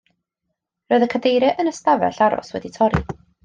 Roedd y cadeiriau yn y stafell aros wedi torri.